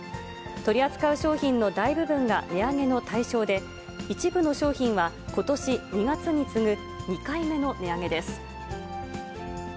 取り扱う商品の大部分が値上げの対象で、一部の商品は、ことし２月に次ぐ２回目の値上げです。